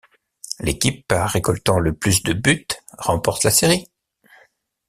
L'équipe récoltant le plus de buts remporte la série.